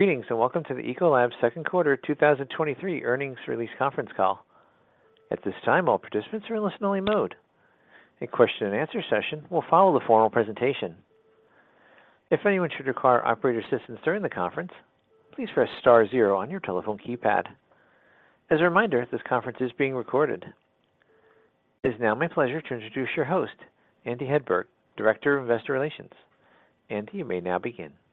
Greetings, welcome to the Ecolab Second Quarter 2023 Earnings Release Conference Call. At this time, all participants are in listen-only mode. A question-and-answer session will follow the formal presentation. If anyone should require operator assistance during the conference, please press star zero on your telephone keypad. As a reminder, this conference is being recorded. It is now my pleasure to introduce your host, Andy Hedberg, Director of investor relations Andy, you may now begin. Thank you,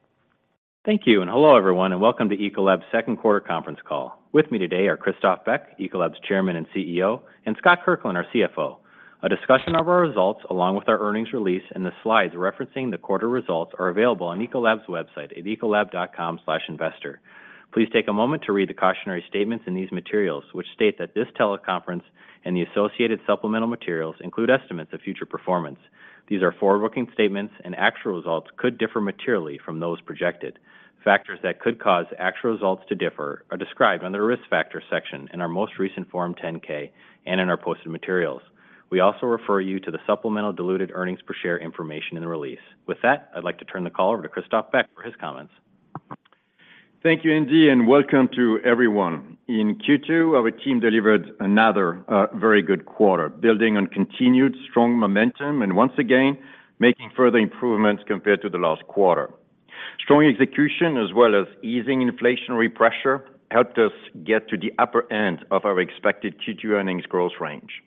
and hello, everyone, and welcome to Ecolab's second quarter conference call. With me today are Christophe Beck, Ecolab's Chairman and CEO, and Scott Kirkland, our CFO. A discussion of our results, along with our earnings release and the slides referencing the quarter results, are available on Ecolab's website at ecolab.com/investor. Please take a moment to read the cautionary statements in these materials, which state that this teleconference and the associated supplemental materials include estimates of future performance. These are forward-looking statements and actual results could differ materially from those projected. Factors that could cause actual results to differ are described under the Risk Factors section in our most recent Form 10-K and in our posted materials. We also refer you to the supplemental diluted earnings per share information in the release. With that, I'd like to turn the call over to Christophe Beck for his comments. Thank you, Andy. Welcome to everyone. In Q2, our team delivered another very good quarter, building on continued strong momentum and once again, making further improvements compared to the last quarter. Strong execution, as well as easing inflationary pressure, helped us get to the upper end of our expected Q2 earnings growth range.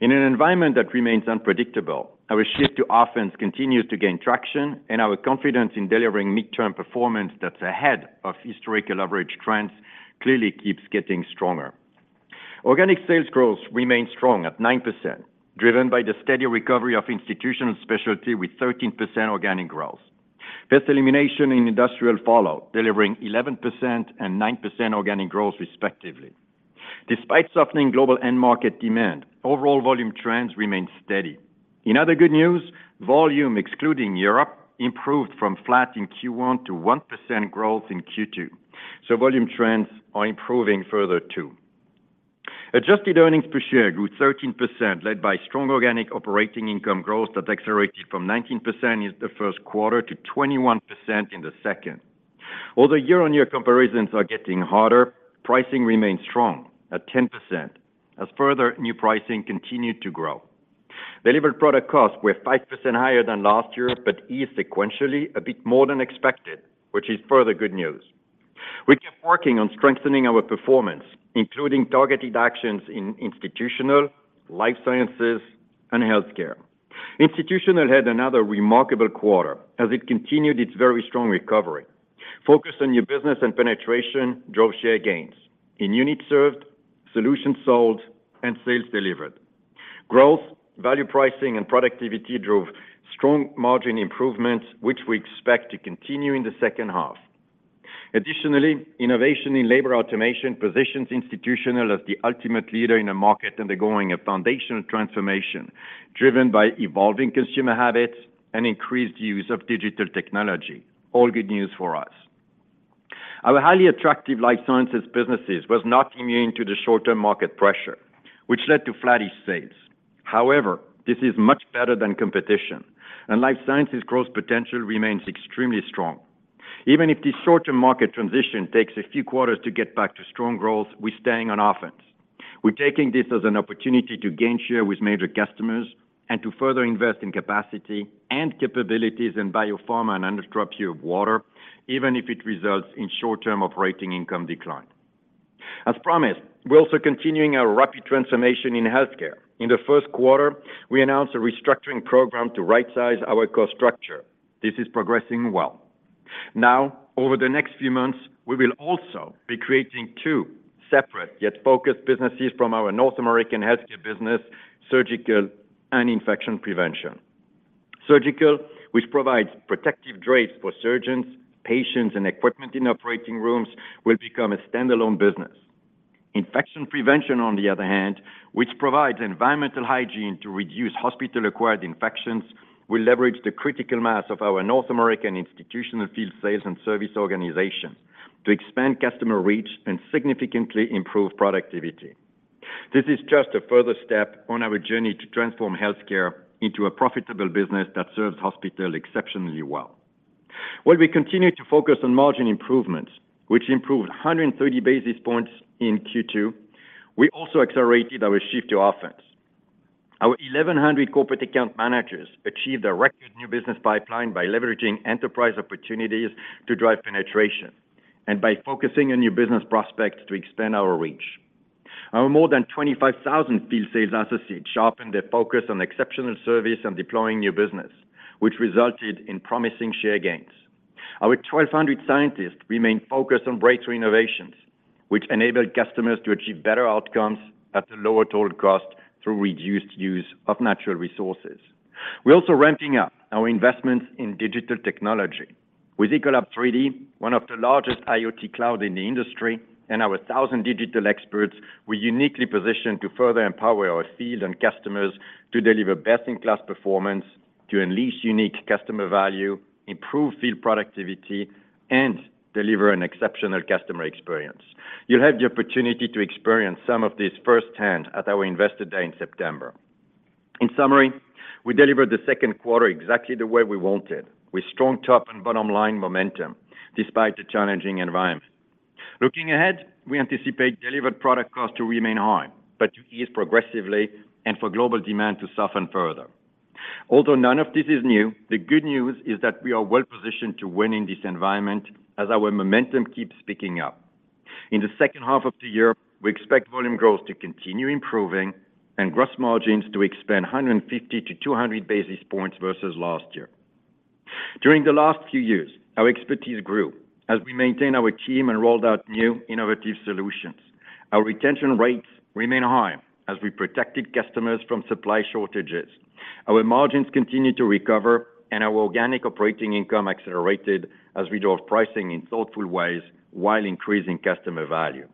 In an environment that remains unpredictable, our shift to offense continues to gain traction, and our confidence in delivering midterm performance that's ahead of historical average trends clearly keeps getting stronger. Organic sales growth remains strong at 9%, driven by the steady recovery of Institutional & Specialty with 13% organic growth. Pest Elimination in industrial follow, delivering 11% and 9% organic growth, respectively. Despite softening global end market demand, overall volume trends remain steady. In other good news, volume, excluding Europe, improved from flat in Q1 to 1% growth in Q2, so volume trends are improving further, too. Adjusted earnings per share grew 13%, led by strong organic operating income growth that accelerated from 19% in the first quarter to 21% in the second. Although year-on-year comparisons are getting harder, pricing remains strong at 10%, as further new pricing continued to grow. Delivered product costs were 5% higher than last year, but eased sequentially a bit more than expected, which is further good news. We kept working on strengthening our performance, including targeted actions in Institutional, Life Sciences, and Healthcare. Institutional had another remarkable quarter as it continued its very strong recovery. Focus on new business and penetration drove share gains in units served, solutions sold, and sales delivered. Growth, value pricing, and productivity drove strong margin improvements, which we expect to continue in the second half. Additionally, innovation in labor automation positions Institutional as the ultimate leader in the market undergoing a foundational transformation, driven by evolving consumer habits and increased use of digital technology. All good news for us. Our highly attractive Life Sciences businesses was not immune to the short-term market pressure, which led to flattish sales. However, this is much better than competition, and Life Sciences growth potential remains extremely strong. Even if this short-term market transition takes a few quarters to get back to strong growth, we're staying on offense. We're taking this as an opportunity to gain share with major customers and to further invest in capacity and capabilities in Biopharma and infrastructure of water, even if it results in short-term operating income decline. As promised, we're also continuing our rapid transformation in Healthcare. In the first quarter, we announced a restructuring program to rightsize our cost structure. This is progressing well. Over the next few months, we will also be creating two separate yet focused businesses from our North American Healthcare business, surgical and infection prevention. Surgical, which provides protective drapes for surgeons, patients, and equipment in operating rooms, will become a standalone business. Infection prevention, on the other hand, which provides environmental hygiene to reduce hospital-acquired infections, will leverage the critical mass of our North American institutional field sales and service organization to expand customer reach and significantly improve productivity. This is just a further step on our journey to transform Healthcare into a profitable business that serves hospitals exceptionally well. While we continue to focus on margin improvements, which improved 130 basis points in Q2, we also accelerated our shift to offense. Our 1,100 corporate account managers achieved a record new business pipeline by leveraging enterprise opportunities to drive penetration and by focusing on new business prospects to expand our reach. Our more than 25,000 field sales associates sharpened their focus on exceptional service and deploying new business, which resulted in promising share gains. Our 1,200 scientists remain focused on breakthrough innovations, which enable customers to achieve better outcomes at a lower total cost through reduced use of natural resources. We're also ramping up our investments in digital technology. With Ecolab3D, one of the largest IoT cloud in the industry, and our 1,000 digital experts, we're uniquely positioned to further empower our field and customers to deliver best-in-class performance, to unleash unique customer value, improve field productivity, and deliver an exceptional customer experience. You'll have the opportunity to experience some of this firsthand at our Investor Day in September.... In summary, we delivered the second quarter exactly the way we wanted, with strong top and bottom line momentum despite the challenging environment. Looking ahead, we anticipate delivered product costs to remain high, but to ease progressively and for global demand to soften further. Although none of this is new, the good news is that we are well positioned to win in this environment as our momentum keeps picking up. In the second half of the year, we expect volume growth to continue improving and gross margins to expand 150-200 basis points versus last year. During the last few years, our expertise grew as we maintained our team and rolled out new innovative solutions. Our retention rates remain high as we protected customers from supply shortages. Our margins continued to recover, and our organic operating income accelerated as we drove pricing in thoughtful ways while increasing customer value.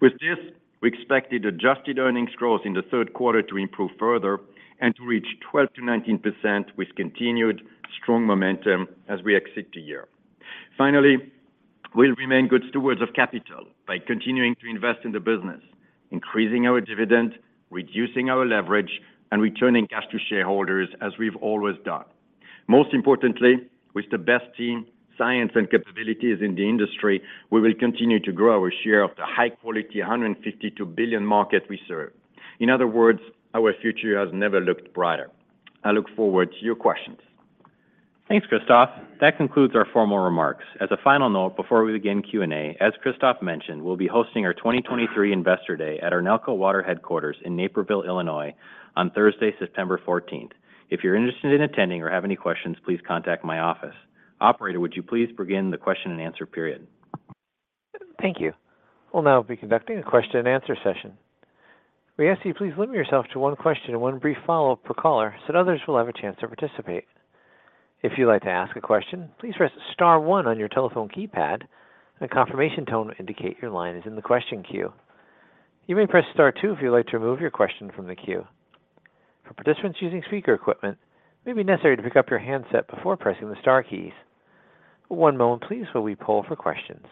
With this, we expected adjusted earnings growth in the third quarter to improve further and to reach 12%-19%, with continued strong momentum as we exit the year. Finally, we'll remain good stewards of capital by continuing to invest in the business, increasing our dividend, reducing our leverage, and returning cash to shareholders, as we've always done. Most importantly, with the best team, science, and capabilities in the industry, we will continue to grow our share of the high-quality, $152 billion market we serve. In other words, our future has never looked brighter. I look forward to your questions. Thanks, Christophe. That concludes our formal remarks. As a final note, before we begin Q&A, as Christophe mentioned, we'll be hosting our 2023 Investor Day at our Nalco Water headquarters in Naperville, Illinois, on Thursday, September 14th. If you're interested in attending or have any questions, please contact my office. Operator, would you please begin the question and answer period? Thank you. We'll now be conducting a question and answer session. We ask you please limit yourself to 1 question and 1 brief follow-up per caller, so others will have a chance to participate. If you'd like to ask a question, please press star 1 on your telephone keypad, and a confirmation tone will indicate your line is in the question queue. You may press star 2 if you'd like to remove your question from the queue. For participants using speaker equipment, it may be necessary to pick up your handset before pressing the star keys. 1 moment, please, while we poll for questions.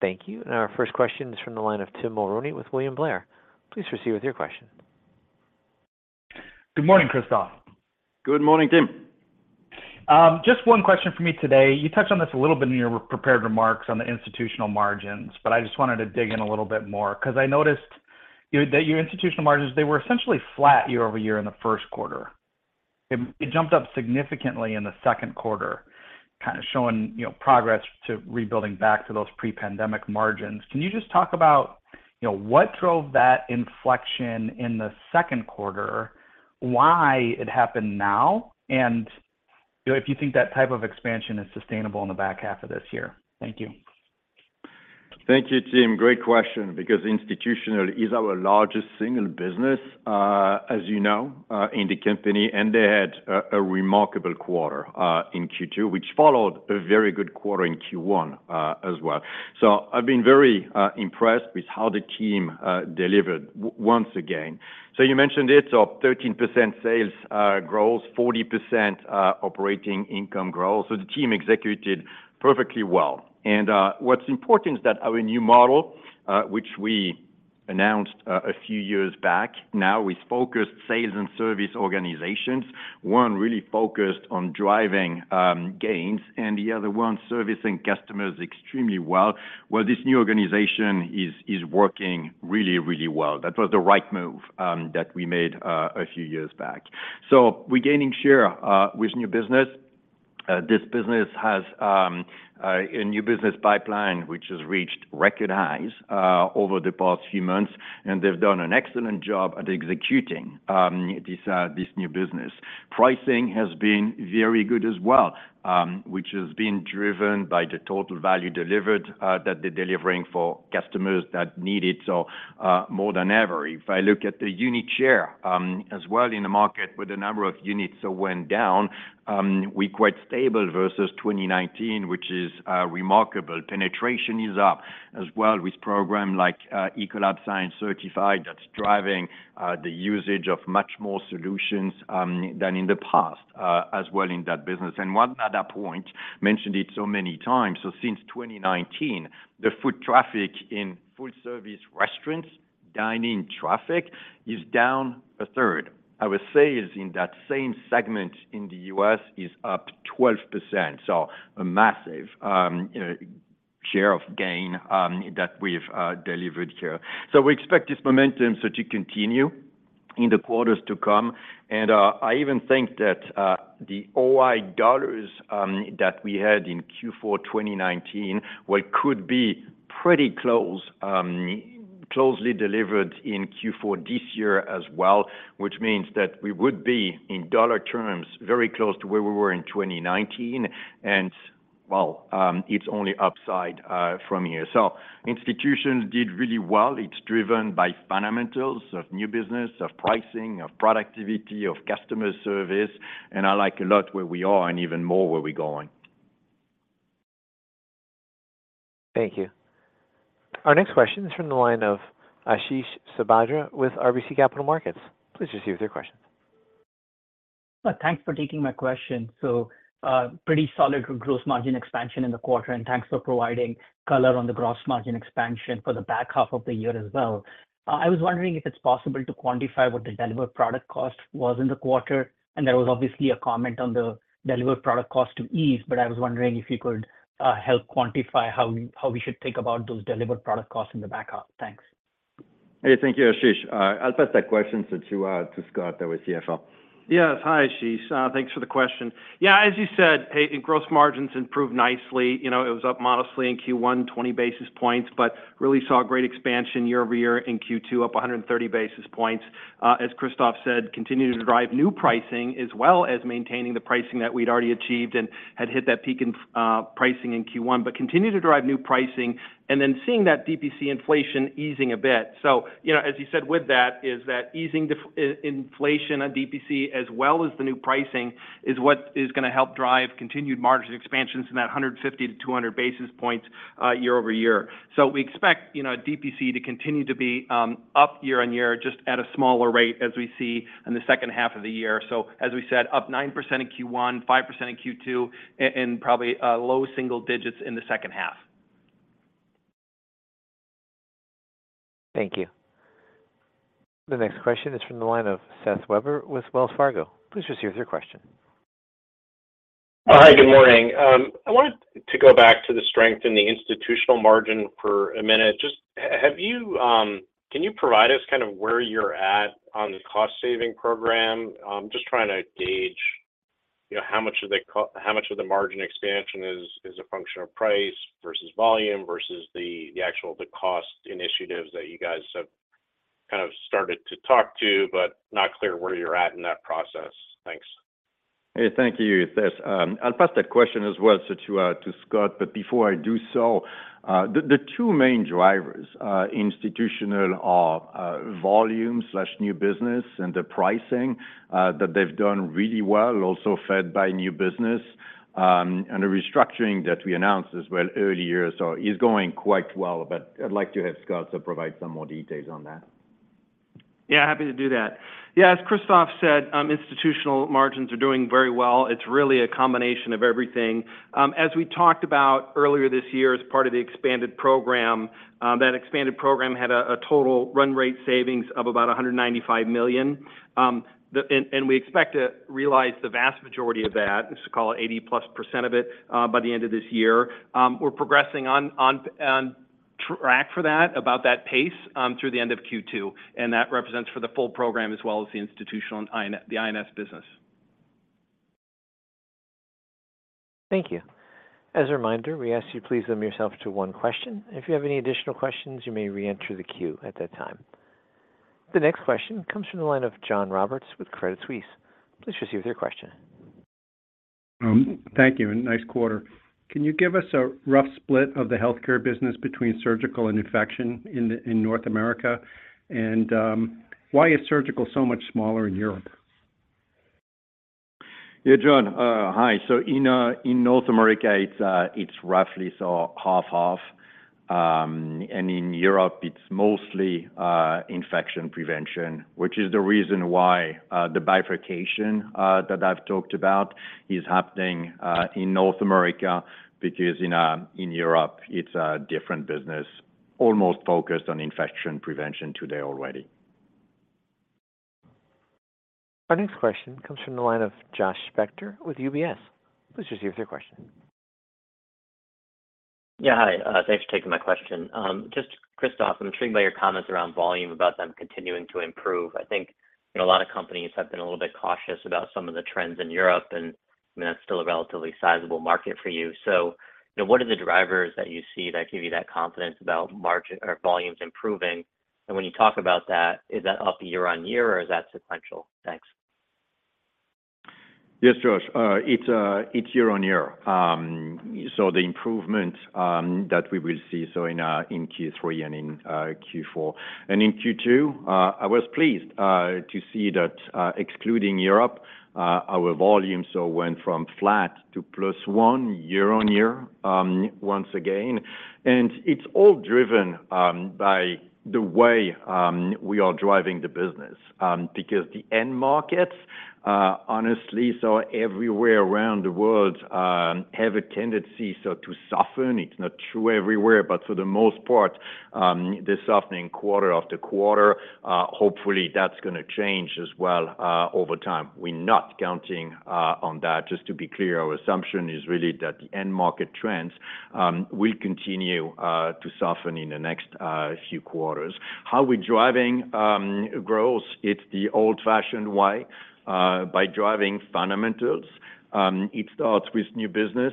Thank you. Our first question is from the line of Tim Mulrooney with William Blair. Please proceed with your question. Good morning, Christophe. Good morning, Tim. Just 1 question for me today. You touched on this a little bit in your prepared remarks on the institutional margins, but I just wanted to dig in a little bit more because I noticed, you know, that your institutional margins, they were essentially flat year-over-year in the 1st quarter. It, it jumped up significantly in the 2nd quarter, kind of showing, you know, progress to rebuilding back to those pre-pandemic margins. Can you just talk about, you know, what drove that inflection in the 2nd quarter, why it happened now, and, you know, if you think that type of expansion is sustainable in the back half of this year? Thank you. Thank you, Tim. Great question, because Institutional is our largest single business, as you know, in the company, and they had a remarkable quarter in Q2, which followed a very good quarter in Q1 as well. I've been very impressed with how the team delivered once again. You mentioned it, 13% sales growth, 40% operating income growth. The team executed perfectly well. What's important is that our new model, which we announced a few years back now, with focused sales and service organizations, one really focused on driving gains and the other one servicing customers extremely well. Well, this new organization is working really, really well. That was the right move that we made a few years back. We're gaining share with new business. This business has a new business pipeline, which has reached record highs over the past few months, and they've done an excellent job at executing this new business. Pricing has been very good as well, which has been driven by the total value delivered that they're delivering for customers that need it so more than ever. If I look at the unit share as well in the market, with the number of units that went down, we're quite stable versus 2019, which is remarkable. Penetration is up as well, with program like Ecolab Science Certified, that's driving the usage of much more solutions than in the past as well in that business. One other point, mentioned it so many times, since 2019, the foot traffic in food service restaurants, dine-in traffic, is down a third. Our sales in that same segment in the US is up 12%, a massive share of gain that we've delivered here. We expect this momentum to continue in the quarters to come, and I even think that the OI dollars that we had in Q4 2019, well, could be pretty close, closely delivered in Q4 this year as well, which means that we would be, in dollar terms, very close to where we were in 2019, and well, it's only upside from here. Institutions did really well. It's driven by fundamentals of new business, of pricing, of productivity, of customer service. I like a lot where we are and even more where we're going. Thank you. Our next question is from the line of Ashish Sabadra with RBC Capital Markets. Please proceed with your question. Well, thanks for taking my question. Pretty solid gross margin expansion in the quarter, and thanks for providing color on the gross margin expansion for the back half of the year as well. I was wondering if it's possible to quantify what the delivered product cost was in the quarter, and there was obviously a comment on the delivered product cost to ease. I was wondering if you could help quantify how we, how we should think about those delivered product costs in the back half. Thanks. Hey, thank you, Ashish. I'll pass that question to Scott there, with CFO. Yes. Hi, Ashish. Thanks for the question. Yeah, as you said, hey, gross margins improved nicely. You know, it was up modestly in Q1, 20 basis points, but really saw a great expansion year-over-year in Q2, up 130 basis points. As Christophe said, continued to drive new pricing, as well as maintaining the pricing that we'd already achieved and had hit that peak in pricing in Q1, but continued to drive new pricing and then seeing that DPC inflation easing a bit. You know, as you said with that, is that easing inflation on DPC as well as the new pricing, is what is gonna help drive continued margin expansions in that 150 to 200 basis points year-over-year. We expect, you know, DPC to continue to be up year-on-year, just at a smaller rate as we see in the second half of the year. As we said, up 9% in Q1, 5% in Q2, and probably low single digits in the second half. Thank you. The next question is from the line of Seth Weber with Wells Fargo. Please proceed with your question. Hi, good morning. I wanted to go back to the strength in the institutional margin for a minute. Just have you, can you provide us kind of where you're at on the cost-saving program? Just trying to gauge, you know, how much of the how much of the margin expansion is, is a function of price versus volume versus the, the actual, the cost initiatives that you guys have kind of started to talk to, but not clear where you're at in that process. Thanks. Hey, thank you, Seth. I'll pass that question as well to Scott. Before I do so, the two main drivers, Institutional are volume/new business and the pricing that they've done really well, also fed by new business. The restructuring that we announced as well earlier, is going quite well, but I'd like to have Scott to provide some more details on that. Yeah, happy to do that. Yeah, as Christophe said, institutional margins are doing very well. It's really a combination of everything. As we talked about earlier this year, as part of the expanded program, that expanded program had a, a total run rate savings of about $195 million. The, and we expect to realize the vast majority of that, let's call it 80%+ of it, by the end of this year. We're progressing on, on, on track for that, about that pace, through the end of Q2, and that represents for the full program as well as the institutional and the INS business. Thank you. As a reminder, we ask you to please limit yourself to one question. If you have any additional questions, you may reenter the queue at that time. The next question comes from the line of John Roberts with Credit Suisse. Please proceed with your question. Thank you, and nice quarter. Can you give us a rough split of the Healthcare business between surgical and infection in North America? Why is surgical so much smaller in Europe? Yeah, John, hi. In North America, it's roughly 50/50. In Europe, it's mostly infection prevention, which is the reason why the bifurcation that I've talked about is happening in North America, because in Europe, it's a different business, almost focused on infection prevention today already. Our next question comes from the line of Josh Spector with UBS. Please proceed with your question. Yeah, hi. Thanks for taking my question. Just, Christophe, I'm intrigued by your comments around volume, about them continuing to improve. I think, you know, a lot of companies have been a little bit cautious about some of the trends in Europe, I mean, that's still a relatively sizable market for you. You know, what are the drivers that you see that give you that confidence about margin or volumes improving? When you talk about that, is that up year-over-year, or is that sequential? Thanks. Yes, Josh. It's year-on-year. The improvement that we will see in Q3 and in Q4. In Q2, I was pleased to see that, excluding Europe, our volumes went from flat to +1 year-on-year once again. It's all driven by the way we are driving the business, because the end markets, honestly, everywhere around the world, have a tendency to soften. It's not true everywhere, but for the most part, they're softening quarter-after-quarter. Hopefully, that's going to change as well over time. We're not counting on that, just to be clear. Our assumption is really that the end market trends will continue to soften in the next few quarters. How we're driving growth, it's the old-fashioned way, by driving fundamentals. It starts with new business.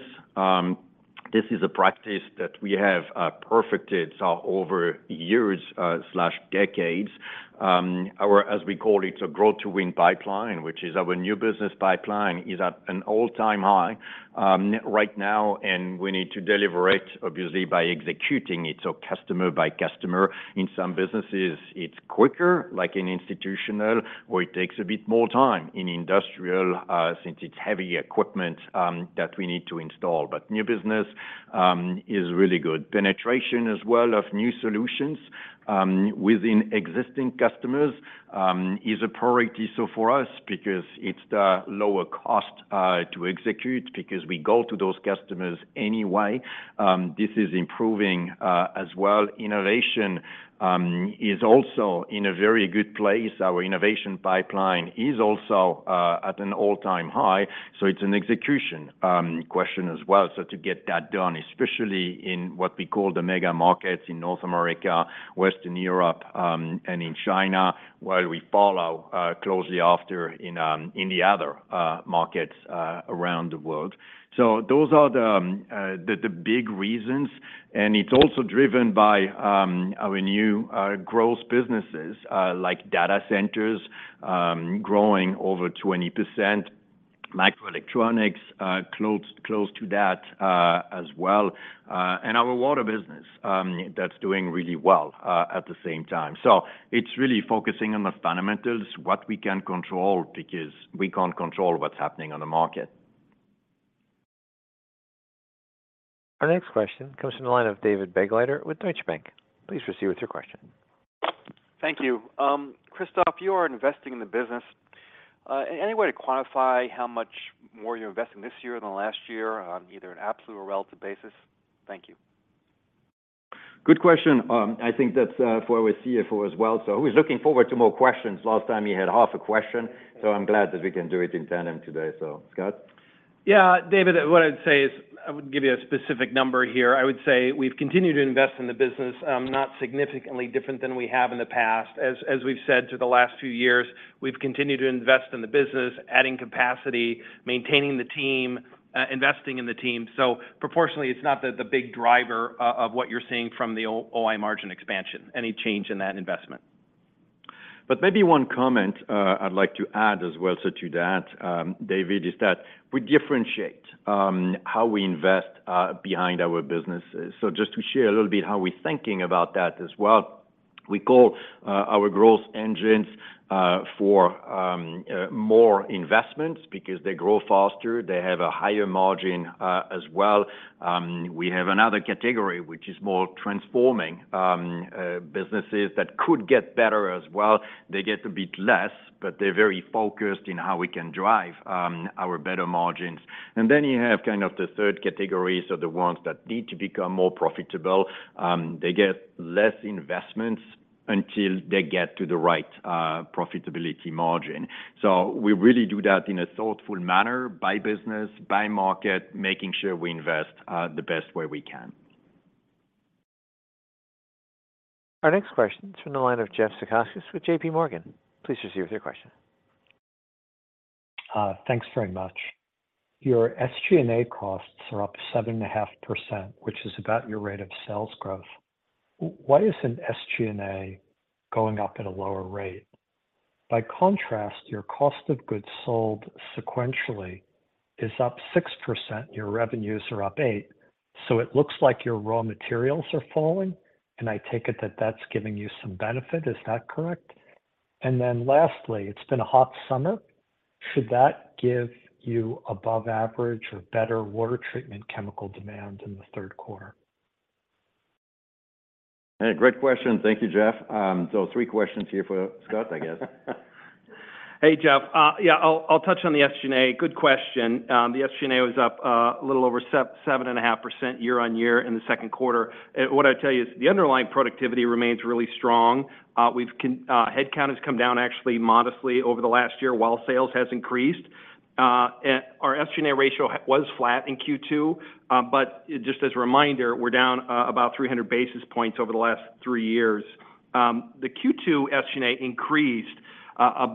This is a practice that we have perfected, so over years/decades. Our, as we call it, a Grow to Win pipeline, which is our new business pipeline, is at an all-time high right now, and we need to deliver it obviously by executing it. Customer by customer. In some businesses, it's quicker, like in institutional, or it takes a bit more time in industrial, since it's heavy equipment that we need to install. New business is really good. Penetration as well of new solutions within existing customers is a priority so for us, because it's the lower cost to execute, because we go to those customers anyway. This is improving as well. Innovation is also in a very good place. Our innovation pipeline is also at an all-time high, it's an execution question as well. To get that done, especially in what we call the mega markets in North America, Western Europe, and in China, while we follow closely after in the other markets around the world. Those are the big reasons, and it's also driven by our new growth businesses, like data centers, growing over 20%. Microelectronics close to that as well, and our water business that's doing really well at the same time. It's really focusing on the fundamentals, what we can control, because we can't control what's happening on the market. Our next question comes from the line of David Begleiter with Deutsche Bank. Please proceed with your question. Thank you. Christophe, you are investing in the business. Any way to quantify how much more you're investing this year than last year on either an absolute or relative basis? Thank you. Good question. I think that's for our CFO as well, so he's looking forward to more questions. Last time he had half a question, so I'm glad that we can do it in tandem today. Scott? Yeah, David, what I'd say is, I wouldn't give you a specific number here. I would say we've continued to invest in the business, not significantly different than we have in the past. As, as we've said through the last few years, we've continued to invest in the business, adding capacity, maintaining the team, investing in the team. Proportionally, it's not the, the big driver of what you're seeing from the OI margin expansion, any change in that investment. Maybe one comment I'd like to add as well, so to that, David, is that we differentiate how we invest behind our businesses. Just to share a little bit how we're thinking about that as well, we call our growth engines for more investments, because they grow faster, they have a higher margin as well. We have another category, which is more transforming businesses that could get better as well. They get a bit less, but they're very focused in how we can drive our better margins. You have kind of the third category, so the ones that need to become more profitable. They get less investments until they get to the right profitability margin. We really do that in a thoughtful manner, by business, by market, making sure we invest, the best way we can. Our next question is from the line of Jeff Zekauskas with JPMorgan. Please proceed with your question. Thanks very much. Your SG&A costs are up 7.5%, which is about your rate of sales growth. What is an SG&A going up at a lower rate? By contrast, your cost of goods sold sequentially is up 6%, your revenues are up 8%. It looks like your raw materials are falling, and I take it that that's giving you some benefit. Is that correct? Lastly, it's been a hot summer. Should that give you above average or better water treatment chemical demand in the third quarter? Hey, great question. Thank you, Jeff. Three questions here for Scott, I guess. Hey, Jeff. Yeah, I'll, I'll touch on the SG&A. Good question. The SG&A was up a little over sev-7.5% year-over-year in the second quarter. What I'd tell you is the underlying productivity remains really strong. We've con-- head count has come down actually modestly over the last year, while sales has increased. Our SG&A ratio h- was flat in Q2, but just as a reminder, we're down about 300 basis points over the last 3 years. The Q2 SG&A increased,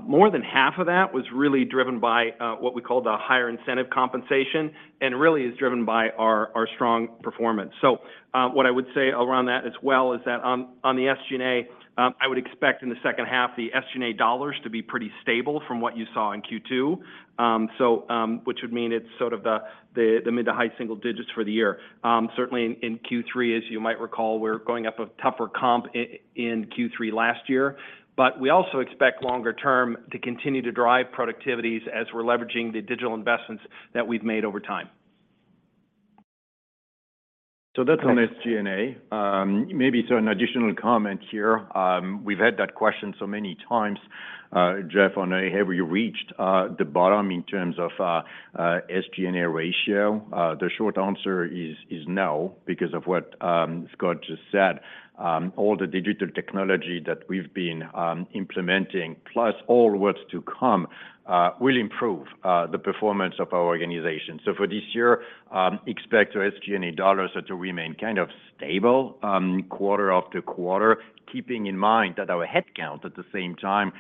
more than half of that was really driven by what we call the higher incentive compensation, and really is driven by our, our strong performance. What I would say around that as well is that on, on the SG&A, I would expect in the second half, the SG&A dollars to be pretty stable from what you saw in Q2. Which would mean it's sort of the, the mid to high single digits for the year. Certainly in, in Q3, as you might recall, we're going up a tougher comp in Q3 last year. We also expect longer term to continue to drive productivities as we're leveraging the digital investments that we've made over time. That's on SG&A. Maybe an additional comment here. We've had that question so many times, Jeff, on, have you reached the bottom in terms of SG&A ratio? The short answer is, is no, because of what Scott just said. All the digital technology that we've been implementing, plus all what's to come, will improve the performance of our organization. For this year, expect our SG&A dollars are to remain kind of stable, quarter after quarter, keeping in mind that our head count at the same time,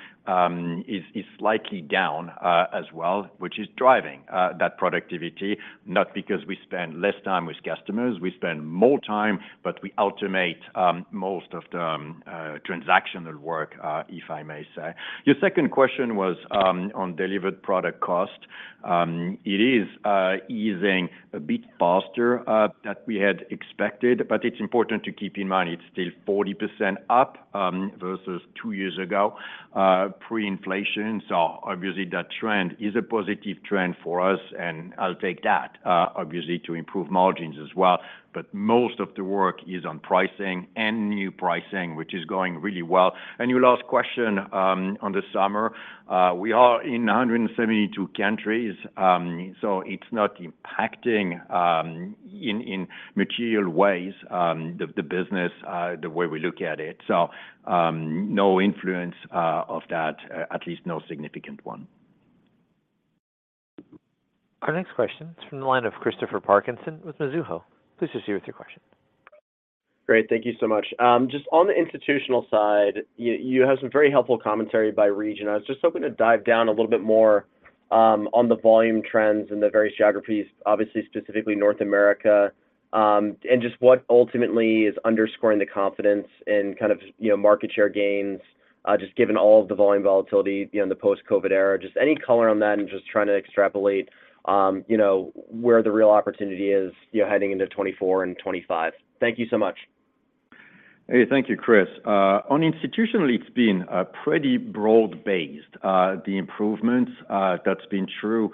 is, is slightly down as well, which is driving that productivity, not because we spend less time with customers. We spend more time, we automate most of the transactional work, if I may say. Your second question was on delivered product cost. It is easing a bit faster than we had expected, but it's important to keep in mind it's still 40% up versus two years ago. pre-inflation, obviously that trend is a positive trend for us, and I'll take that obviously, to improve margins as well. Most of the work is on pricing and new pricing, which is going really well. Your last question on the summer, we are in 172 countries. It's not impacting in material ways the business the way we look at it. No influence of that, at least no significant one. Our next question is from the line of Christopher Parkinson with Mizuho. Please proceed with your question. Great. Thank you so much. Just on the Institutional side, you, you have some very helpful commentary by region. I was just hoping to dive down a little bit more on the volume trends in the various geographies, obviously, specifically North America, and just what ultimately is underscoring the confidence and kind of, you know, market share gains, just given all of the volume volatility, you know, in the post-COVID era. Just any color on that and just trying to extrapolate, you know, where the real opportunity is, you know, heading into 2024 and 2025. Thank you so much. Hey, thank you, Chris. On institutionally, it's been pretty broad-based. The improvements, that's been true,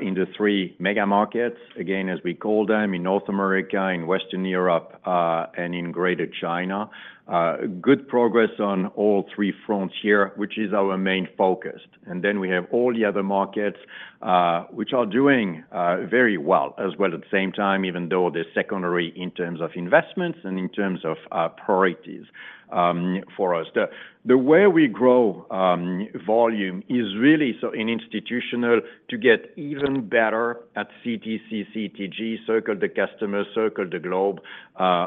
in the three mega markets, again, as we call them, in North America, in Western Europe, and in Greater China. Good progress on all three fronts here, which is our main focus. Then we have all the other markets, which are doing very well, as well. At the same time, even though they're secondary in terms of investments and in terms of our priorities, for us. The, the way we grow, volume is really so in institutional to get even better at uncertain, circle the customer, circle the globe,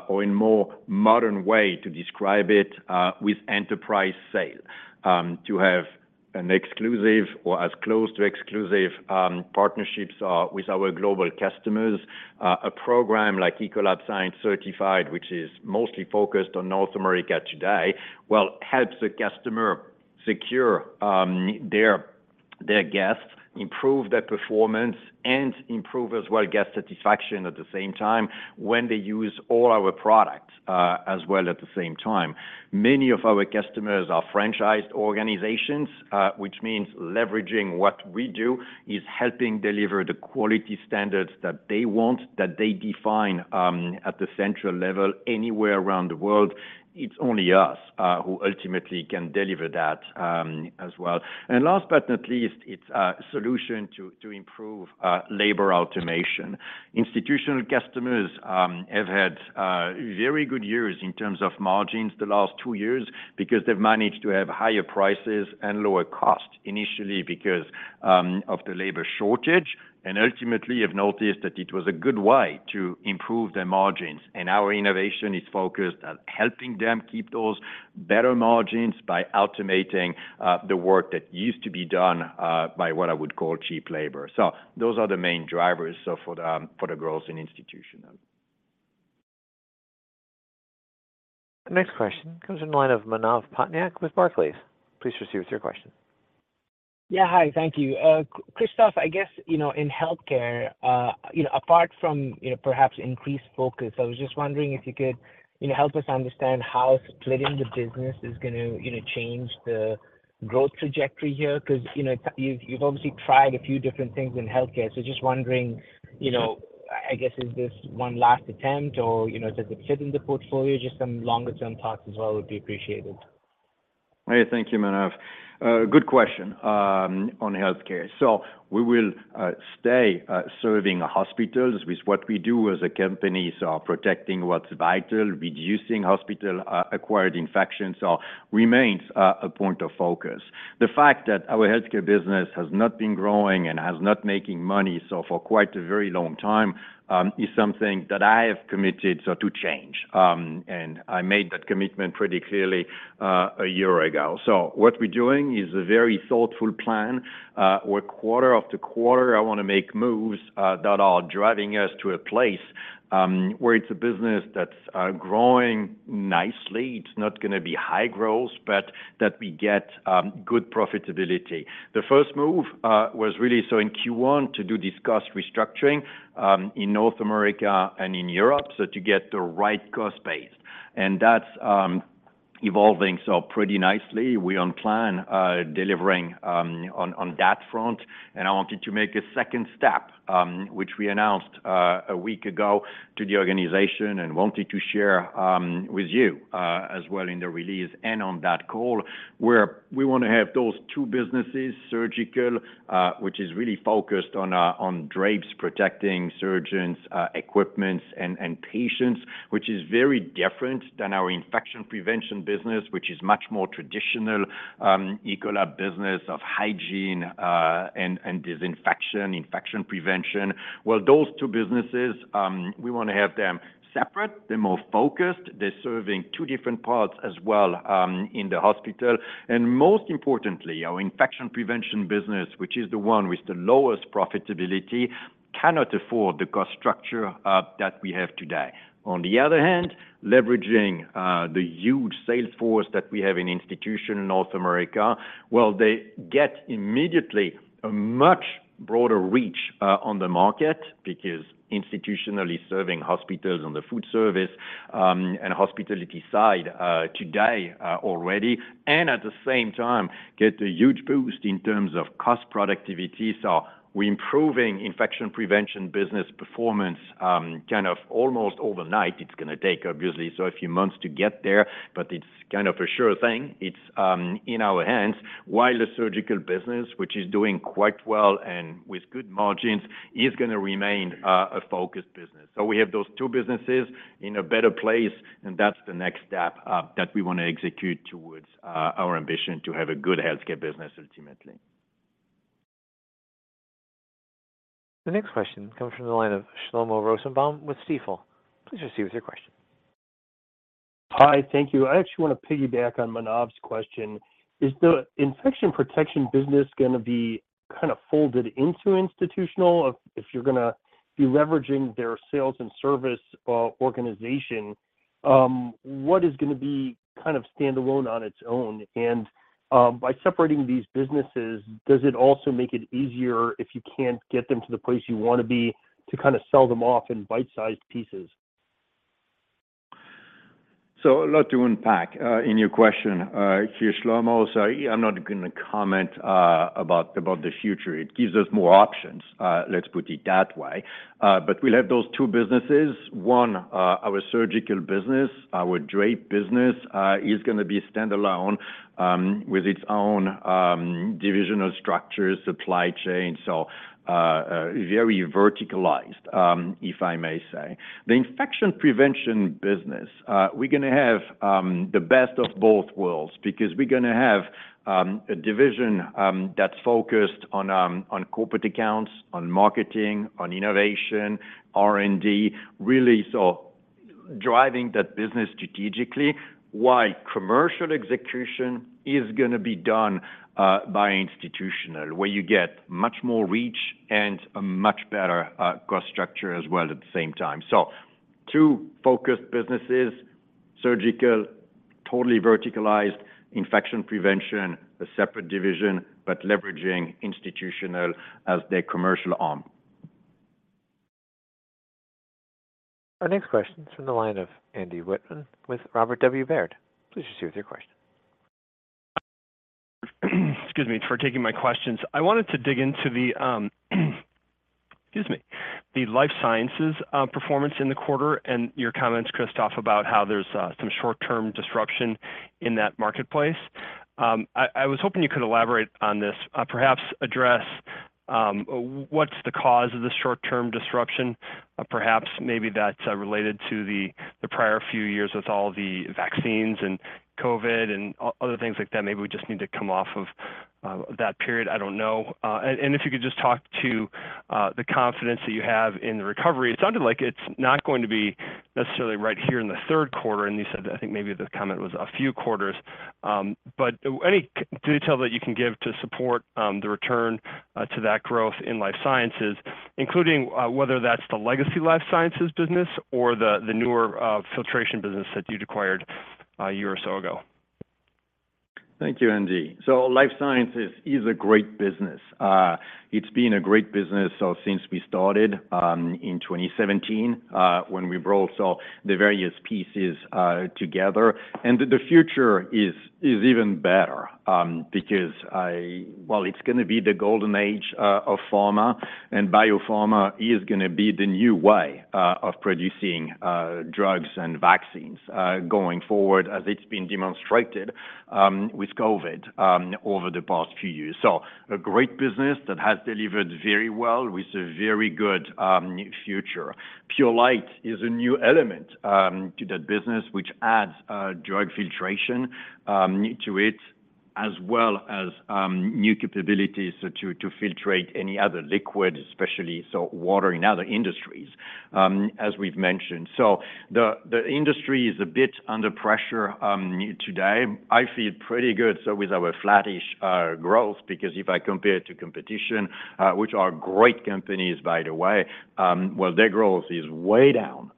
or in more modern way to describe it, with enterprise sale. To have an exclusive or as close to exclusive, partnerships, with our global customers. A program like Ecolab Science Certified, which is mostly focused on North America today, well, helps the customer secure their guests, improve their performance, and improve as well, guest satisfaction at the same time when they use all our products as well at the same time. Many of our customers are franchised organizations, which means leveraging what we do is helping deliver the quality standards that they want, that they define at the central level, anywhere around the world. It's only us who ultimately can deliver that as well. Last but not least, it's a solution to, to improve labor automation. Institutional customers, have had, very good years in terms of margins the last two years, because they've managed to have higher prices and lower costs, initially because, of the labor shortage, and ultimately have noticed that it was a good way to improve their margins. Our innovation is focused on helping them keep those better margins by automating, the work that used to be done, by what I would call cheap labor. Those are the main drivers, so for the, for the growth in institutional. Next question comes in the line of Manav Patnaik with Barclays. Please proceed with your question. Yeah, hi, thank you. Christoph, I guess, you know, in Healthcare, you know, apart from, you know, perhaps increased focus, I was just wondering if you could, you know, help us understand how splitting the business is going to, you know, change the growth trajectory here? 'Cause, you know, you've, you've obviously tried a few different things in Healthcare, so just wondering, you know, I guess, is this one last attempt or, you know, does it fit in the portfolio? Just some longer-term thoughts as well would be appreciated. Hey, thank you, Manav. Good question on Healthcare. We will stay serving hospitals with what we do as a company, protecting what's vital, reducing hospital acquired infections, remains a point of focus. The fact that our Healthcare business has not been growing and has not making money, for quite a very long time, is something that I have committed to change. I made that commitment pretty clearly a year ago. What we're doing is a very thoughtful plan. Where quarter after quarter, I wanna make moves that are driving us to a place where it's a business that's growing nicely. It's not gonna be high growth, but that we get good profitability. The first move was really so in Q1 to do this cost restructuring in North America and in Europe, so to get the right cost base. That's evolving, so pretty nicely. We on plan, delivering on that front, and I wanted to make a second step, which we announced a week ago to the organization and wanted to share with you as well in the release and on that call. We wanna have those two businesses, surgical, which is really focused on drapes, protecting surgeons, equipments and patients, which is very different than our infection prevention business, which is much more traditional Ecolab business of hygiene and disinfection, infection prevention. Those two businesses, we wanna have them separate. They're more focused. They're serving 2 different parts as well, in the hospital. Most importantly, our infection prevention business, which is the one with the lowest profitability, cannot afford the cost structure that we have today. On the other hand, leveraging the huge sales force that we have in institution in North America, well, they get immediately a broader reach on the market because institutionally serving hospitals on the food service and hospitality side today already, and at the same time, get a huge boost in terms of cost productivity. We're improving infection prevention business performance, kind of almost overnight. It's gonna take, obviously, a few months to get there, but it's kind of a sure thing. It's in our hands, while the surgical business, which is doing quite well and with good margins, is gonna remain a focused business. We have those two businesses in a better place, and that's the next step that we wanna execute towards our ambition to have a good Healthcare business ultimately. The next question comes from the line of Shlomo Rosenbaum with Stifel. Please proceed with your question. Hi, thank you. I actually wanna piggyback on Manav's question. Is the infection protection business gonna be kind of folded into institutional? If, if you're gonna be leveraging their sales and service organization, what is gonna be kind of standalone on its own? By separating these businesses, does it also make it easier if you can't get them to the place you wanna be, to kinda sell them off in bite-sized pieces? A lot to unpack in your question here, Shlomo. I'm not gonna comment about, about the future. It gives us more options, let's put it that way. We'll have those two businesses. One, our surgical business, our drape business, is gonna be standalone with its own divisional structures, supply chain, so very verticalized, if I may say. The infection prevention business, we're gonna have the best of both worlds because we're gonna have a division that's focused on corporate accounts, on marketing, on innovation, R&D, really, so driving that business strategically, while commercial execution is gonna be done by Institutional, where you get much more reach and a much better cost structure as well at the same time. Two focused businesses, surgical, totally verticalized infection prevention, a separate division, but leveraging Institutional as their commercial arm. Our next question is from the line of Andy Wittmann with Robert W. Baird. Please proceed with your question. Excuse me for taking my questions. I wanted to dig into the, excuse me, the Life Sciences performance in the quarter and your comments, Christophe, about how there's some short-term disruption in that marketplace. I, I was hoping you could elaborate on this, perhaps address, what's the cause of the short-term disruption? Perhaps maybe that's related to the prior few years with all the vaccines and COVID and other things like that. Maybe we just need to come off of that period. I don't know. If you could just talk to the confidence that you have in the recovery? It sounded like it's not going to be necessarily right here in the 3rd quarter, and you said, I think maybe the comment was a few quarters, but any detail that you can give to support the return to that growth in Life Sciences, including whether that's the legacy Life Sciences business or the newer filtration business that you acquired a year or so ago. Thank you, Andy. Life Sciences is a great business. It's been a great business, since we started in 2017, when we brought all the various pieces together. The future is even better because well, it's going to be the golden age of pharma, and biopharma is going to be the new way of producing drugs and vaccines going forward, as it's been demonstrated with COVID over the past few years. A great business that has delivered very well with a very good future. Purolite is a new element to that business, which adds drug filtration to it, as well as new capabilities to filtrate any other liquid, especially water in other industries, as we've mentioned. The, the industry is a bit under pressure today. I feel pretty good, so with our flattish growth, because if I compare it to competition, which are great companies, by the way, well, their growth is way down.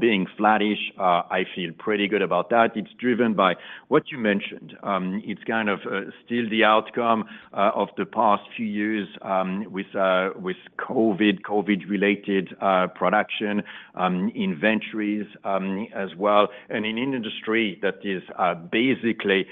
Being flattish, I feel pretty good about that. It's driven by what you mentioned. It's kind of still the outcome of the past few years, with COVID, COVID-related production, inventories as well, and in an industry that is basically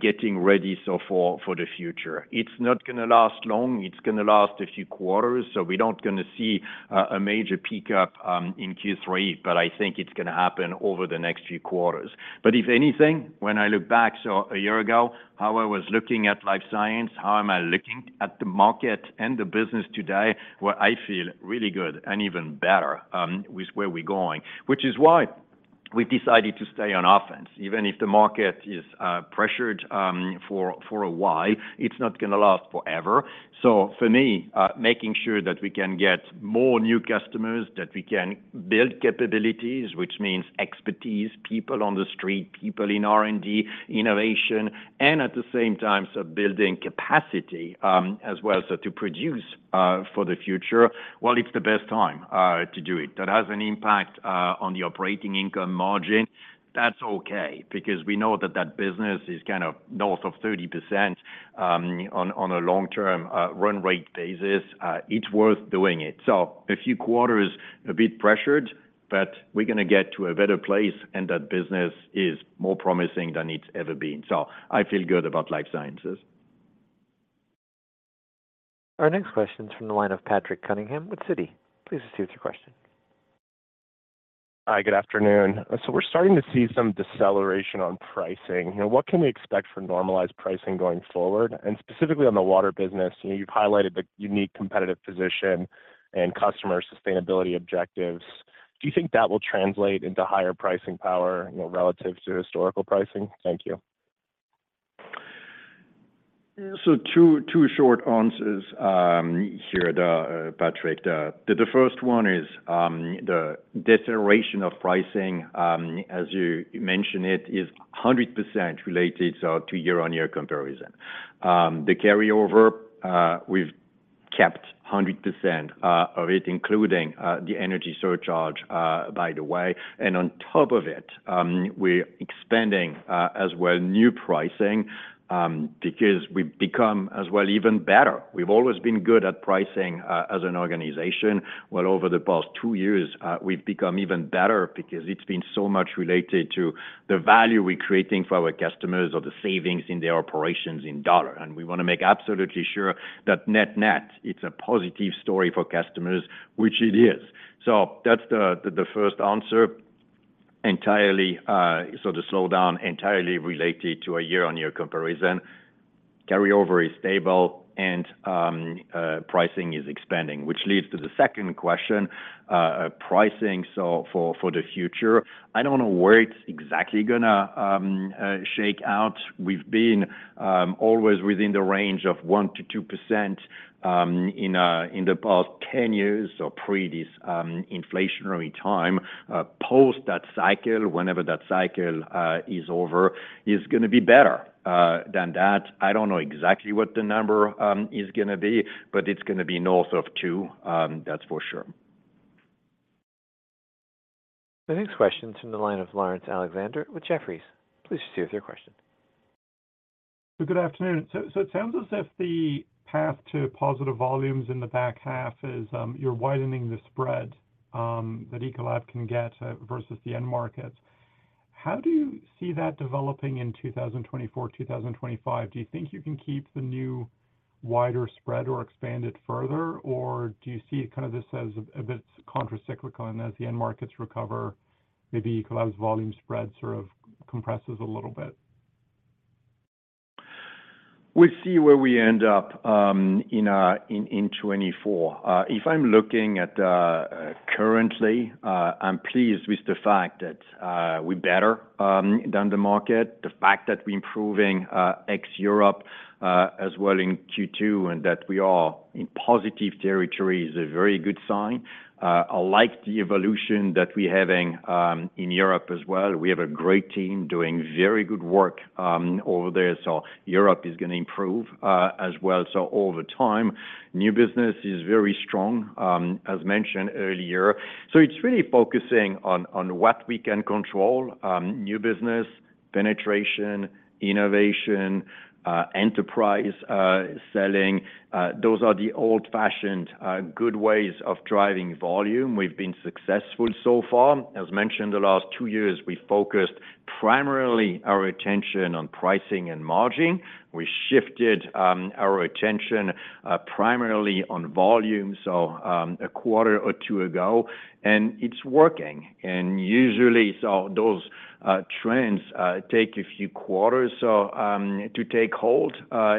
getting ready so for the future. It's not gonna last long. It's gonna last a few quarters, so we don't gonna see a major pickup in Q3, but I think it's gonna happen over the next few quarters. If anything, when I look back, so a year ago, how I was looking at Life Sciences, how am I looking at the market and the business today, well, I feel really good and even better with where we're going, which is why we decided to stay on offense. Even if the market is pressured for, for a while, it's not gonna last forever. For me, making sure that we can get more new customers, that we can build capabilities, which means expertise, people on the street, people in R&D, innovation, and at the same time, so building capacity as well, so to produce for the future, well, it's the best time to do it. That has an impact on the operating income margin. That's okay because we know that that business is kind of north of 30%, on, on a long-term, run rate basis. It's worth doing it. A few quarters, a bit pressured, but we're gonna get to a better place, and that business is more promising than it's ever been. I feel good about Life Sciences. Our next question is from the line of Patrick Cunningham with Citi. Please proceed with your question. Hi, good afternoon. We're starting to see some deceleration on pricing. You know, what can we expect for normalized pricing going forward? Specifically on the water business, you know, you've highlighted the unique competitive position and customer sustainability objectives. Do you think that will translate into higher pricing power, you know, relative to historical pricing? Thank you. 2, 2 short answers, here, Patrick. The first one is, the deceleration of pricing, as you mentioned it, is 100% related to year-on-year comparison. The carryover, we've kept 100% of it, including the energy surcharge, by the way. On top of it, we're expanding, as well, new pricing, because we've become, as well, even better. We've always been good at pricing, as an organization, while over the past 2 years, we've become even better because it's been so much related to the value we're creating for our customers or the savings in their operations in dollar. We wanna make absolutely sure that net-net, it's a positive story for customers, which it is. That's the first answer. Entirely, the slowdown entirely related to a year-on-year comparison. Carryover is stable, pricing is expanding, which leads to the second question of pricing. For, for the future, I don't know where it's exactly gonna shake out. We've been always within the range of 1%-2% in the past 10 years or pre this inflationary time. Post that cycle, whenever that cycle is over, is gonna be better than that. I don't know exactly what the number is gonna be, but it's gonna be north of 2, that's for sure. The next question is from the line of Laurence Alexander with Jefferies. Please proceed with your question. Good afternoon. It sounds as if the path to positive volumes in the back half is, you're widening the spread that Ecolab can get versus the end market. How do you see that developing in 2024, 2025? Do you think you can keep the new wider spread or expand it further? Do you see it this as a bit contracyclical, and as the end markets recover, maybe Ecolab's volume spread sort of compresses a little bit? We see where we end up, in, in 2024. If I'm looking at currently, I'm pleased with the fact that we're better than the market. The fact that we're improving ex-Europe as well in Q2, and that we are in positive territory is a very good sign. I like the evolution that we're having in Europe as well. We have a great team doing very good work over there, Europe is gonna improve as well. Over time, new business is very strong, as mentioned earlier. It's really focusing on, on what we can control: new business, penetration, innovation, enterprise selling. Those are the old-fashioned, good ways of driving volume. We've been successful so far. As mentioned, the last 2 years, we focused primarily our attention on pricing and margin. We shifted our attention primarily on volume, so a quarter or 2 ago, and it's working. Usually, those trends take a few quarters to take hold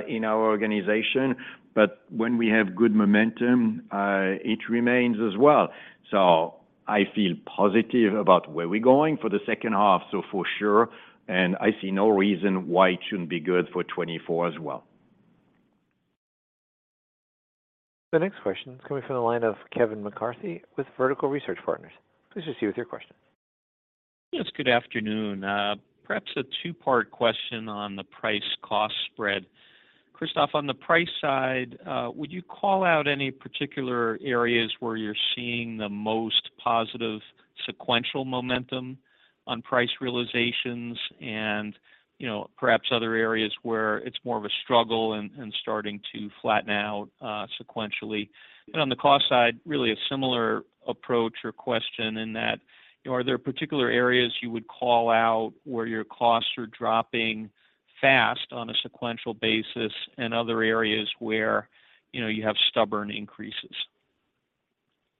in our organization, but when we have good momentum, it remains as well. I feel positive about where we're going for the second half, for sure, and I see no reason why it shouldn't be good for 2024 as well. The next question is coming from the line of Kevin McCarthy with Vertical Research Partners. Please proceed with your question. Yes, good afternoon. Perhaps a two-part question on the price-cost spread. Christophe, on the price side, would you call out any particular areas where you're seeing the most positive sequential momentum on price realizations and, you know, perhaps other areas where it's more of a struggle and, and starting to flatten out, sequentially? On the cost side, really a similar approach or question in that, are there particular areas you would call out where your costs are dropping fast on a sequential basis, and other areas where, you know, you have stubborn increases?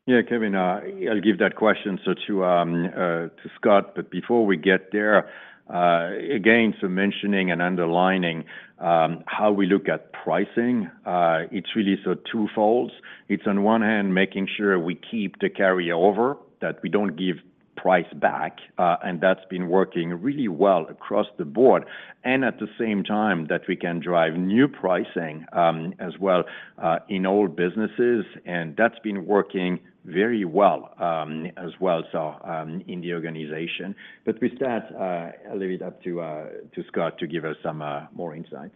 Yeah, Kevin, I'll give that question so to Scott. Before we get there, again, so mentioning and underlining how we look at pricing, it's really so twofold. It's on one hand, making sure we keep the carryover, that we don't give price back, and that's been working really well across the board. At the same time, that we can drive new pricing as well in all businesses, and that's been working very well as well, so in the organization. With that, I'll leave it up to Scott to give us some more insight.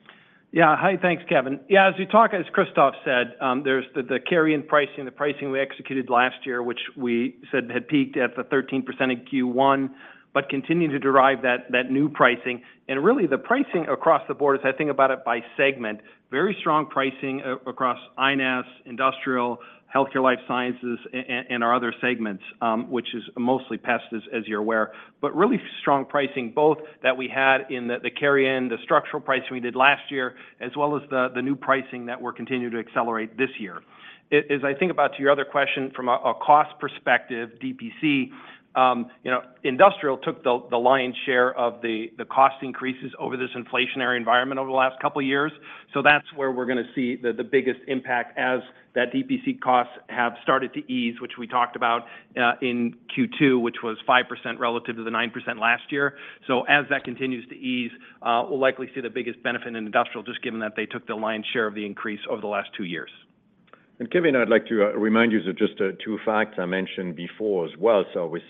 Yeah. Hi, thanks, Kevin. Yeah, as we talk, as Christophe said, there's the, the carry-in pricing, the pricing we executed last year, which we said had peaked at the 13% in Q1, but continuing to derive that, that new pricing. Really, the pricing across the board, as I think about it by segment, very strong pricing across I&S, industrial, Healthcare, Life Sciences, and our other segments, which is mostly pesticides, as you're aware. Really strong pricing, both that we had in the, the carry-in, the structural pricing we did last year, as well as the, the new pricing that we're continuing to accelerate this year. As I think about to your other question, from a, a cost perspective, DPC, you know, industrial took the, the lion's share of the, the cost increases over this inflationary environment over the last 2 years. That's where we're gonna see the, the biggest impact as that DPC costs have started to ease, which we talked about, in Q2, which was 5% relative to the 9% last year. As that continues to ease, we'll likely see the biggest benefit in industrial, just given that they took the lion's share of the increase over the last 2 years. Kevin, I'd like to remind you of just 2 facts I mentioned before as well. With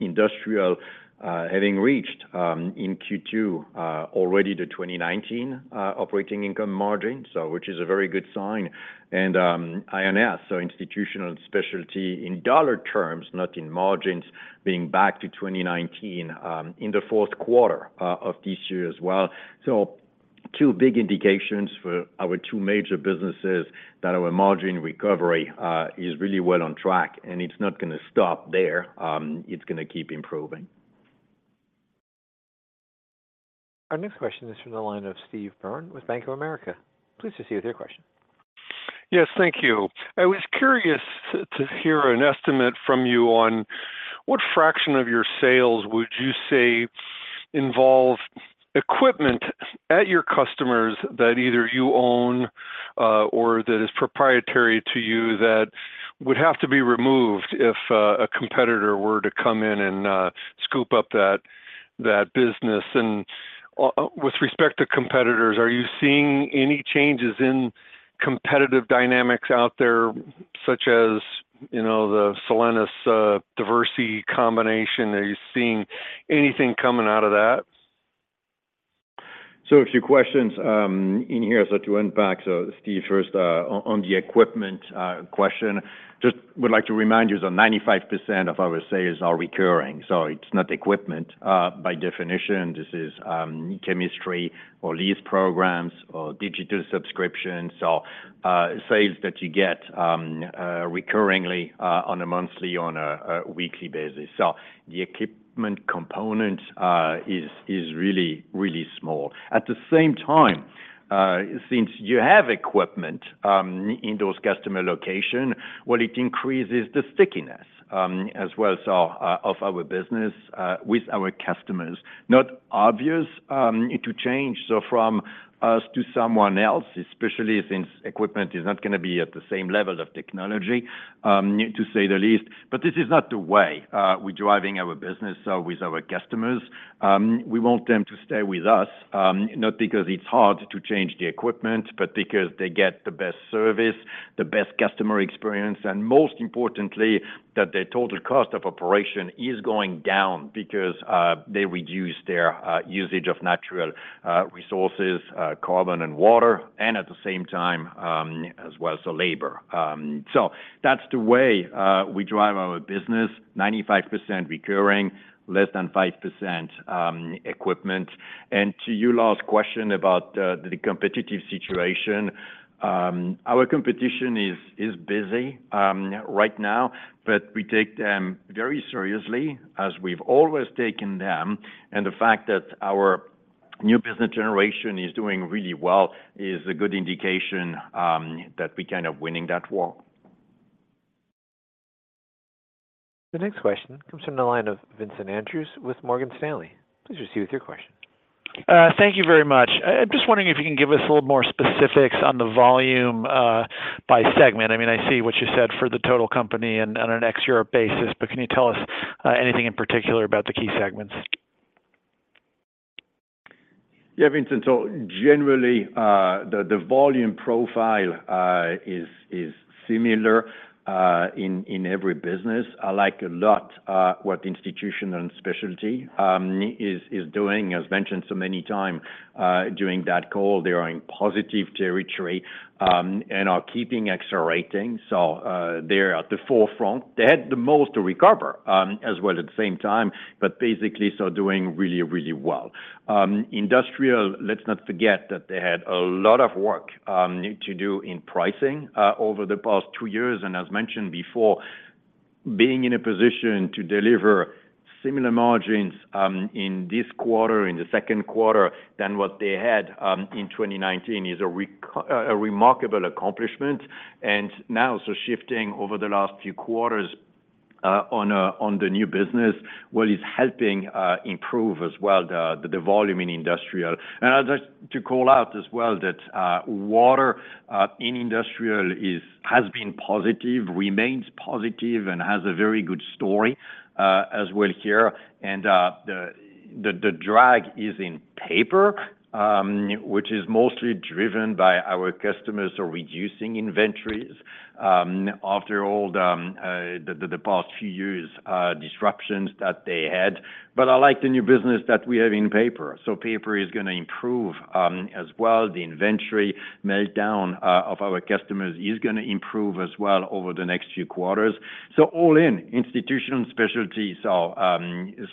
Industrial having reached in Q2 already the 2019 operating income margin, which is a very good sign, and INS, Institutional & Specialty in dollar terms, not in margins, being back to 2019 in the fourth quarter of this year as well. 2 big indications for our 2 major businesses that our margin recovery is really well on track, and it's not gonna stop there, it's gonna keep improving. Our next question is from the line of Steve Byrne with Bank of America. Please proceed with your question. Yes, thank you. I was curious to hear an estimate from you on what fraction of your sales would you say involve equipment at your customers that either you own, or that is proprietary to you, that would have to be removed if a competitor were to come in and scoop up that business? With respect to competitors, are you seeing any changes in competitive dynamics out there, such as, you know, the Solenis, Diversey combination? Are you seeing anything coming out of that? A few questions in here. To unpack, Steve, first on the equipment question, just would like to remind you that 95% of our sales are recurring, so it's not equipment. By definition, this is chemistry or lease programs or digital subscriptions. Sales that you get recurringly on a monthly, on a weekly basis. The equipment component is really, really small. At the same time, since you have equipment in those customer location, well, it increases the stickiness as well, of our business with our customers. Not obvious to change, so from us to someone else, especially since equipment is not gonna be at the same level of technology to say the least. This is not the way we're driving our business with our customers. We want them to stay with us, not because it's hard to change the equipment, but because they get the best service, the best customer experience, and most importantly, that their total cost of operation is going down because they reduce their usage of natural resources, carbon and water, and at the same time, as well as the labor. That's the way we drive our business, 95% recurring, less than 5% equipment. To you last question about the competitive situation, our competition is busy right now, but we take them very seriously, as we've always taken them. The fact that our new business generation is doing really well, is a good indication, that we're kind of winning that war. The next question comes from the line of Vincent Andrews with Morgan Stanley. Please proceed with your question. Thank you very much. I'm just wondering if you can give us a little more specifics on the volume by segment. I mean, I see what you said for the total company and on an ex-Europe basis, but can you tell us anything in particular about the key segments? Yeah, Vincent. Generally, the volume profile is similar in every business. I like a lot what the Institutional & Specialty is doing. As mentioned so many time during that call, they are in positive territory and are keeping accelerating. They're at the forefront. They had the most to recover as well at the same time, but basically, doing really, really well. Industrial, let's not forget that they had a lot of work to do in pricing over the past two years. As mentioned before, being in a position to deliver similar margins in this quarter, in the second quarter, than what they had in 2019 is a remarkable accomplishment. Now, so shifting over the last few quarters, on the new business, well, it's helping improve as well, the volume in industrial. I'd like to call out as well, that water in industrial has been positive, remains positive, and has a very good story as well here. The drag is in paper, which is mostly driven by our customers are reducing inventories, after all the past few years disruptions that they had. I like the new business that we have in paper, so paper is gonna improve as well. The inventory meltdown of our customers is gonna improve as well over the next few quarters. All in, Institutional & Specialty are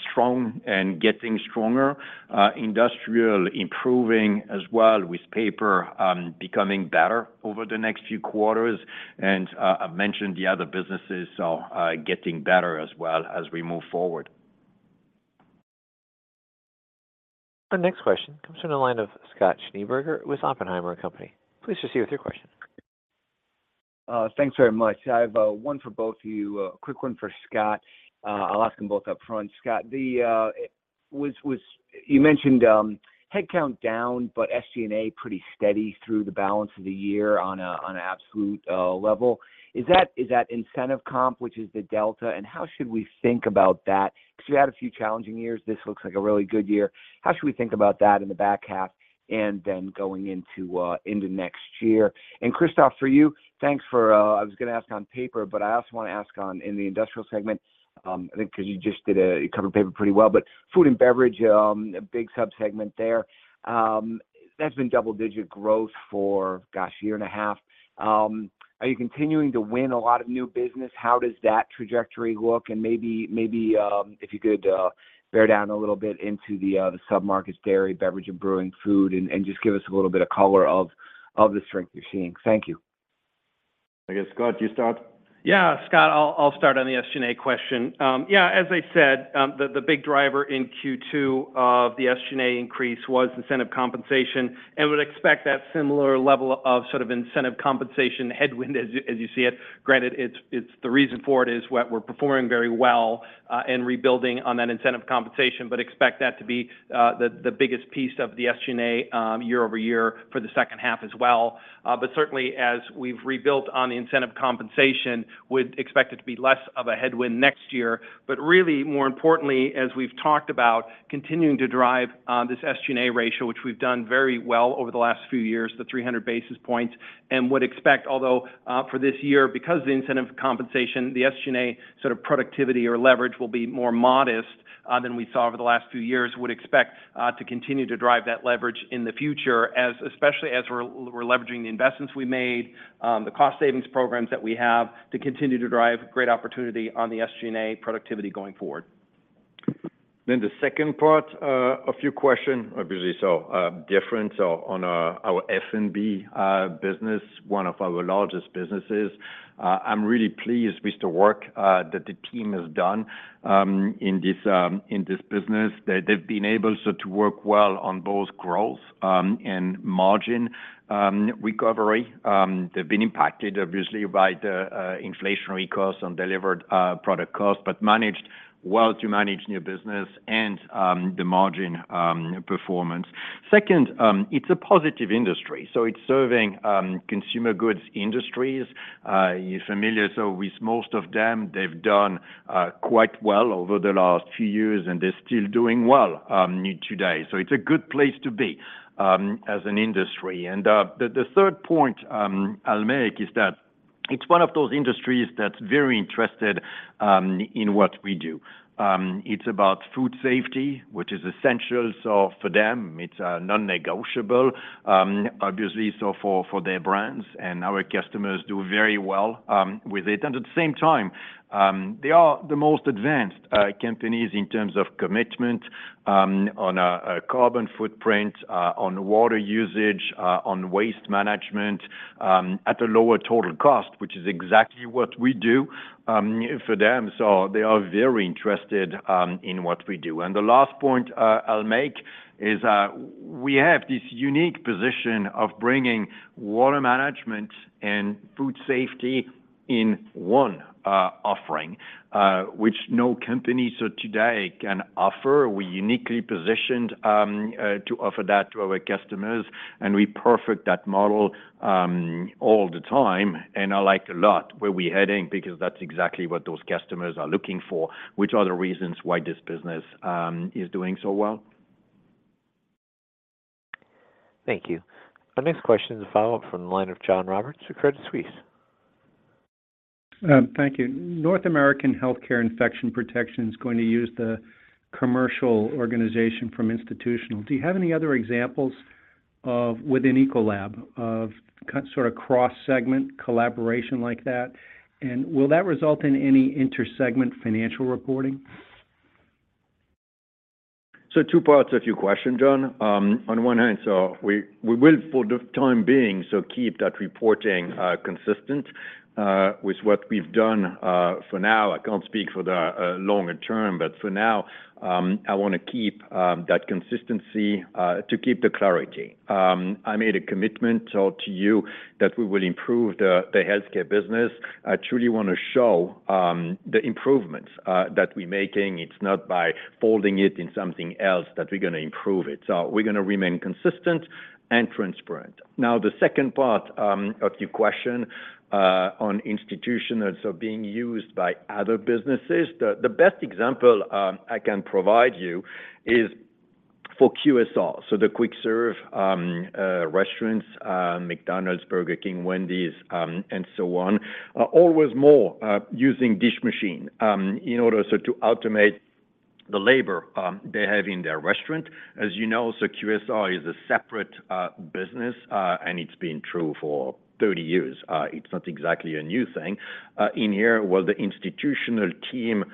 strong and getting stronger, industrial improving as well, with paper becoming better over the next few quarters. I've mentioned the other businesses are getting better as well as we move forward. Our next question comes from the line of Scott Schneeberger with Oppenheimer & Co. Please proceed with your question. Thanks very much. I have one for both of you, a quick one for Scott. I'll ask them both up front. Scott, You mentioned headcount down, but SG&A pretty steady through the balance of the year on an absolute level. Is that incentive comp, which is the delta, and how should we think about that? Cause we had a few challenging years. This looks like a really good year. How should we think about that in the back half, and then going into next year? Christophe, for you, thanks for, I was gonna ask on paper, but I also wanna ask on in the industrial segment, I think 'cause you just did you covered paper pretty well, but food and beverage, a big subsegment there, that's been double-digit growth for, gosh, a year and a half. Are you continuing to win a lot of new business? How does that trajectory look? Maybe, maybe, if you could, bear down a little bit into the submarkets, dairy, beverage, and brewing food, and just give us a little bit of color of, of the strength you're seeing. Thank you. I guess, Scott, you start? Yeah, Scott, I'll, I'll start on the SG&A question. Yeah, as I said, the, the big driver in Q2 of the SG&A increase was incentive compensation, would expect that similar level of sort of incentive compensation headwind as you, as you see it. Granted, it's, it's the reason for it is what we're performing very well, and rebuilding on that incentive compensation, expect that to be the, the biggest piece of the SG&A year-over-year for the second half as well. Certainly, as we've rebuilt on the incentive compensation, we'd expect it to be less of a headwind next year. Really, more importantly, as we've talked about, continuing to drive this SG&A ratio, which we've done very well over the last few years, the 300 basis points, and would expect, although for this year, because of the incentive compensation, the SG&A sort of productivity or leverage will be more modest than we saw over the last few years. Would expect to continue to drive that leverage in the future, as especially as we're, we're leveraging the investments we made, the cost savings programs that we have, to continue to drive great opportunity on the SG&A productivity going forward. The second part of your question, obviously, so different, so on our F&B business, one of our largest businesses. I'm really pleased with the work that the team has done in this in this business. They, they've been able so to work well on both growth and margin recovery. They've been impacted obviously by the inflationary costs on delivered product costs, but managed well to manage new business and the margin performance. Second, it's a positive industry, so it's serving consumer goods industries. You're familiar, so with most of them, they've done quite well over the last few years, and they're still doing well today. It's a good place to be as an industry. The, the third point I'll make is that it's one of those industries that's very interested in what we do. It's about food safety, which is essential, so for them, it's non-negotiable, obviously, so for, for their brands, and our customers do very well with it. At the same time, they are the most advanced companies in terms of commitment on a carbon footprint, on water usage, on waste management, at a lower total cost, which is exactly what we do for them. They are very interested in what we do. The last point I'll make is, we have this unique position of bringing water management and food safety in one offering, which no company so today can offer. We're uniquely positioned to offer that to our customers, and we perfect that model all the time, and I like a lot where we're heading because that's exactly what those customers are looking for, which are the reasons why this business is doing so well. Thank you. Our next question is a follow-up from the line of John Roberts at Credit Suisse. Thank you. North American Healthcare Infection Prevention is going to use the commercial organization from Institutional. Do you have any other examples of, within Ecolab, of sort of cross-segment collaboration like that? Will that result in any inter-segment financial reporting? Two parts of your question, John. On one hand, we, we will, for the time being, keep that reporting consistent with what we've done for now. I can't speak for the longer term, but for now, I wanna keep that consistency to keep the clarity. I made a commitment to you, that we will improve the Healthcare business. I truly wanna show the improvements that we're making. It's not by folding it in something else that we're gonna improve it. We're gonna remain consistent and transparent. Now, the second part of your question, on institution, and being used by other businesses. The best example I can provide you is for QSR, so the quick-serve restaurants, McDonald's, Burger King, Wendy's, and so on, are always more using dish machine in order, so to automate the labor they have in their restaurant. As you know, QSR is a separate business, and it's been true for 30 years. It's not exactly a new thing. In here, well, the institutional team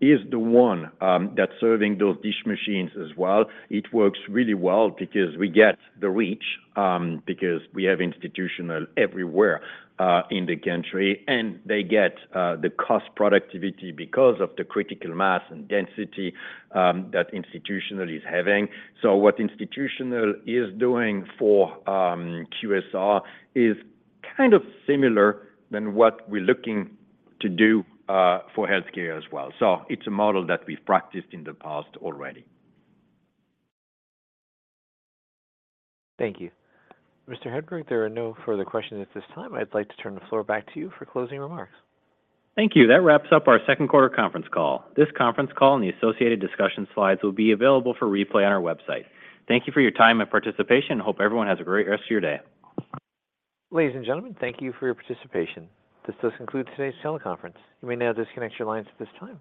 is the one that's serving those dish machines as well. It works really well because we get the reach because we have institutional everywhere in the country, and they get the cost productivity because of the critical mass and density that institutional is having. What institutional is doing for QSR is kind of similar than what we're looking to do for Healthcare as well. It's a model that we've practiced in the past already. Thank you. Mr. Hedberg, there are no further questions at this time. I'd like to turn the floor back to you for closing remarks. Thank you. That wraps up our second quarter conference call. This conference call and the associated discussion slides will be available for replay on our website. Thank you for your time and participation, and hope everyone has a great rest of your day. Ladies and gentlemen, thank you for your participation. This does conclude today's teleconference. You may now disconnect your lines at this time.